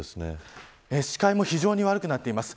視界も非常に悪くなっています。